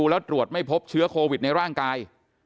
แล้วตรวจไม่พบเชื้อโควิดในร่างกาย